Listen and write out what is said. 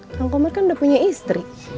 kang komar kan udah punya istri